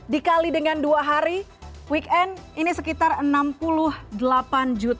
dikali dengan dua hari weekend ini sekitar rp enam puluh delapan juta